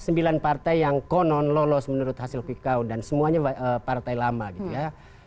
sembilan partai yang konon lolos menurut hasil quick coun dan semuanya partai lama gitu ya